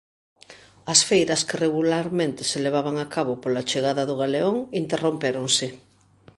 As feiras que regularmente se levaban a cabo pola chegada do Galeón interrompéronse.